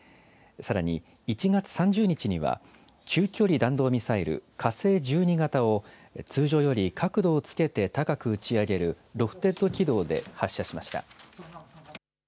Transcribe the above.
さらに、１月３０日には、中距離弾道ミサイル、火星１２型を、通常より角度をつけて高く打ち上げる、ロフテッド軌道で、発射しました。